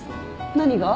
何が？